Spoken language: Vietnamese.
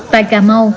tại cà mau